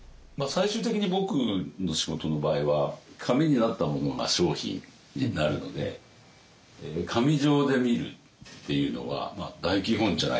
最終的に僕の仕事の場合は紙になったものが商品になるので紙上で見るっていうのは大基本じゃないかなって思いますね。